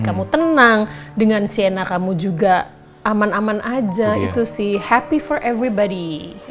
kamu tenang dengan siena kamu juga aman aman aja itu si happy for everybody